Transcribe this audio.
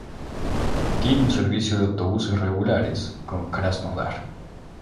Tiene un servicio de autobuses regulares con Krasnodar.